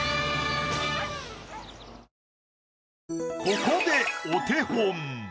ここでお手本。